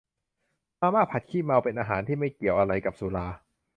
มาม่าผัดขี้เมา เป็นอาหารที่ไม่เกี่ยวอะไรกับสุรา